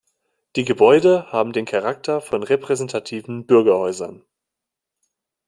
Die Gebäude haben den Charakter von repräsentativen Bürgerhäusern.